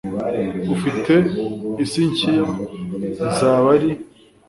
ufite isi nshya izaba ari